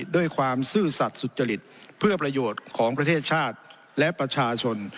ด้วยความซื่อสัตว์สุจริตเพื่อประโยชน์ของประเทศชาติและประชาชน